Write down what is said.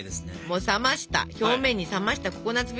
もう冷ました表面に冷ましたココナツフィリング。